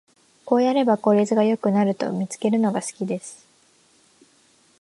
こうやれば効率が良くなると見つけるのが好きです